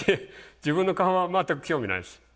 自分の顔は全く興味ないです。